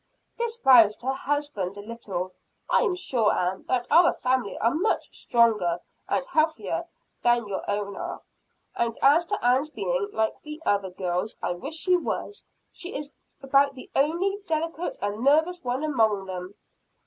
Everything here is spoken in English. This roused her husband a little. "I am sure, Ann, that our family are much stronger and healthier than your own are. And as to Ann's being like the other girls, I wish she was. She is about the only delicate and nervous one among them."